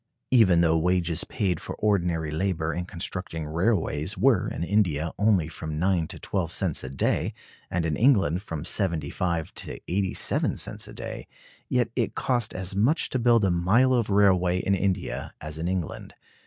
Even though wages paid for ordinary labor in constructing railways were in India only from nine to twelve cents a day, and in England from seventy five to eighty seven cents a day, yet it cost as much to build a mile of railway in India as in England.